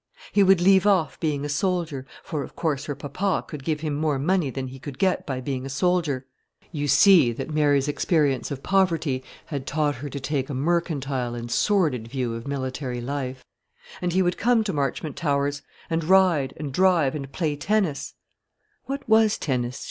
He would leave off being a soldier, for of course her papa could give him more money than he could get by being a soldier (you see that Mary's experience of poverty had taught her to take a mercantile and sordid view of military life) and he would come to Marchmont Towers, and ride, and drive, and play tennis (what was tennis?